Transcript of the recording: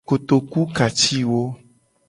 Kotoku ka ci wo.